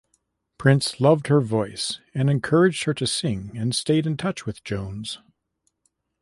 Prince loved her voice, encouraged her to sing, and stayed in touch with Jones.